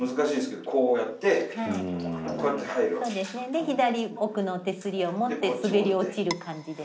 で左奥の手すりを持って滑り落ちる感じです。